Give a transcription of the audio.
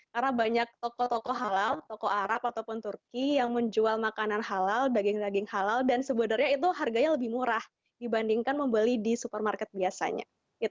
karena banyak toko toko halal toko arab ataupun turki yang menjual makanan halal daging daging halal dan sebenarnya itu harganya lebih murah dibandingkan membeli di supermarket biasanya